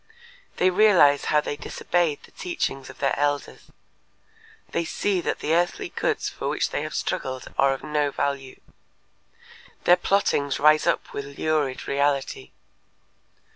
They realize how they disobeyed the teachings of their elders. They see that the earthly goods for which they have struggled are of no value. Their plottings rise up with lurid reality.